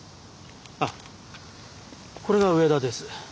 あっこれが上田です。